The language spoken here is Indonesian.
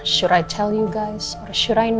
apakah saya harus memberitahu kalian